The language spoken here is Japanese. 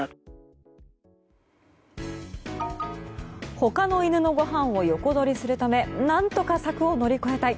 他の犬のごはんを横取りするため何とか柵を乗り越えたい。